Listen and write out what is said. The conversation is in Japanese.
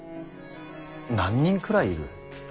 何人くらいいる。